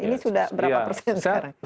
ini sudah berapa persen sekarang